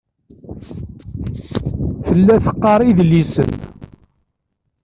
Tella teqqar idlisen.